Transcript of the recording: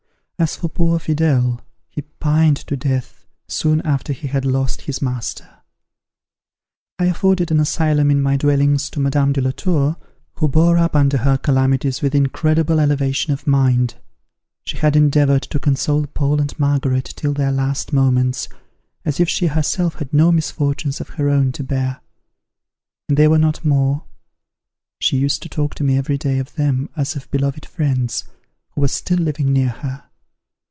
As for poor Fidele, he pined to death, soon after he had lost his master. I afforded an asylum in my dwelling to Madame de la Tour, who bore up under her calamities with incredible elevation of mind. She had endeavoured to console Paul and Margaret till their last moments, as if she herself had no misfortunes of her own to bear. When they were not more, she used to talk to me every day of them as of beloved friends, who were still living near her.